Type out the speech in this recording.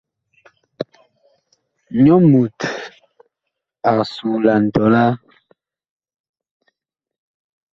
Nyɔ mut ag suulan tɔlaa.